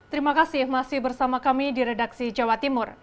terima kasih masih bersama kami di redaksi jawa timur